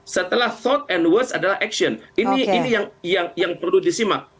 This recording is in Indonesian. setelah thoud and worst adalah action ini yang perlu disimak